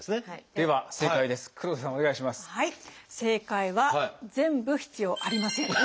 正解は全部必要ありません。